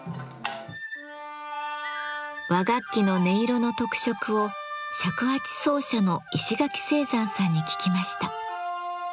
和楽器の音色の特色を尺八奏者の石垣征山さんに聞きました。